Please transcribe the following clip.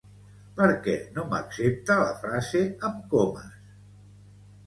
Perquè no m'accepta la frase amb comes?